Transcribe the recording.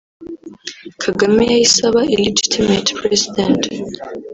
Kagame yahise aba (illegitimate President)